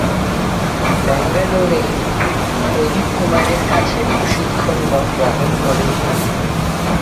ব্যাঙ্গালোরের প্রদীপ কুমারের কাছে প্রশিক্ষণ গ্রহণ করেন তিনি।